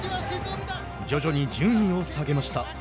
徐々に順位を下げました。